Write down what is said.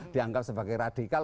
dianggap sebagai radikal